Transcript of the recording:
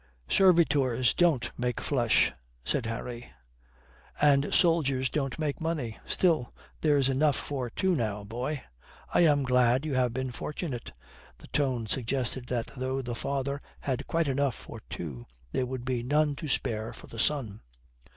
"Servitors don't make flesh," said Harry. "And soldiers don't make money. Still; there's enough for two now, boy." "I am glad you have been fortunate," the tone suggested that though the father had quite enough for two; there would be none to spare for the son.